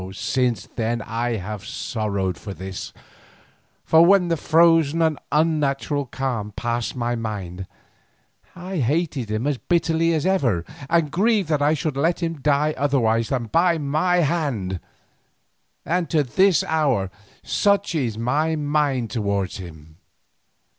Since then I have sorrowed for this, for, when the frozen and unnatural calm passed from my mind, I hated him as bitterly as ever, and grieved that I let him die otherwise than by my hand, and to this hour such is my mind towards him.